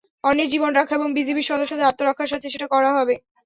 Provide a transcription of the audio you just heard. অন্যের জীবন রক্ষা এবং বিজিবির সদস্যদের আত্মরক্ষার স্বার্থে সেটা করা হবে।